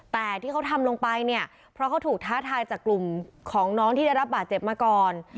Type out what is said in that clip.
แต่ที่เขาทำลงไปเนี่ยเพราะเขาถูกท้าทายจากกลุ่มของน้องที่ได้รับบาดเจ็บมาก่อน